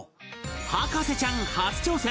博士ちゃん初挑戦！